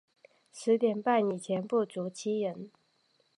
十点半以前不足七人